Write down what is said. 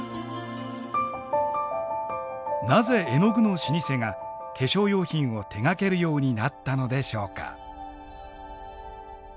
なぜ絵の具の老舗が化粧用品を手がけるようになったのでしょうか。